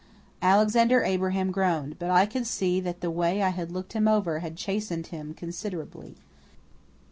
Alexander Abraham groaned, but I could see that the way I had looked him over had chastened him considerably.